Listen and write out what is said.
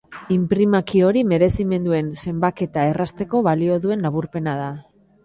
Inprimaki hori merezimenduen zenbaketa errazteko balio duen laburpena da.